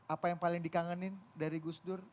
apa yang paling dikangenin dari gus dur